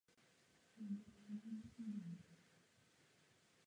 Klášter je zapsán na seznamu českých kulturních památek.